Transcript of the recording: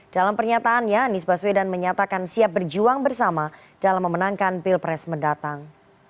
dalam pernyataannya anies baswedan menyatakan siap berjuang bersama dalam memenangkan pilpres mendatang